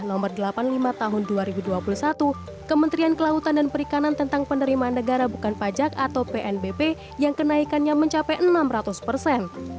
nomor delapan puluh lima tahun dua ribu dua puluh satu kementerian kelautan dan perikanan tentang penerimaan negara bukan pajak atau pnbp yang kenaikannya mencapai enam ratus persen